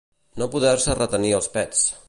No poder-se retenir els pets.